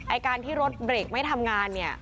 การที่รถเบรกไม่ทำงานเนี่ย